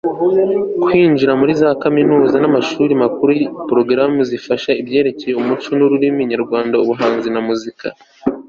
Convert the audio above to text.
kwinjiza muri za kaminuza n'amashuri makuru programmes zigisha ibyerekeye umuco n'ururimi nyarwanda, ubuhanzi na muzika